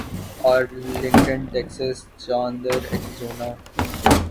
Arlington Texas Chandler Arizona